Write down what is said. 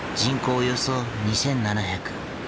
およそ２，７００。